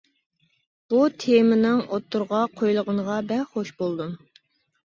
بۇ تېمىنىڭ ئوتتۇرىغا قويۇلغىنىغا بەك خوش بولدۇم.